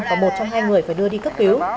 và một trong hai người phải đưa đi cấp cứu